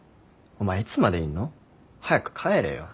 お前いつまでいんの？早く帰れよ。